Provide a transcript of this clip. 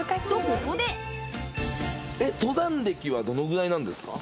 登山歴はどのぐらいなんですか？